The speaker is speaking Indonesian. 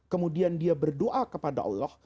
kemudian dia berdoa kepada allah